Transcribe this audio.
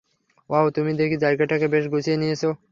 Wow, তুমি দেখি জায়গাটাকে বেশ গুছিয়ে নিয়েছ।